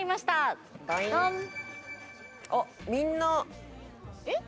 あっみんなえっ？